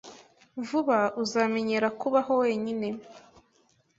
Vuba uzamenyera kubaho wenyine.